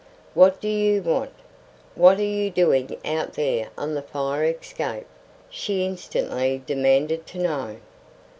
"What do you want? What are you doing out there on the fire escape?" she instantly demanded to know.